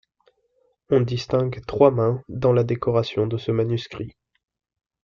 On distingue trois mains dans la décoration de ce manuscrit.